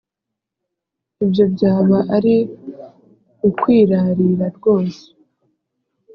ibyo byaba ari ukwirarira rwose!